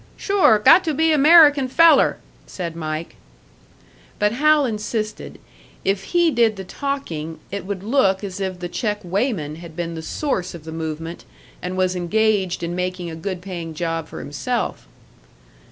"Sure got to be American feller!" said Mike. But Hal insisted. If he did the talking, it would look as if the check weighman had been the source of the movement, and was engaged in making a good paying job for himself.